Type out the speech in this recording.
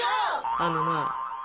あのなあ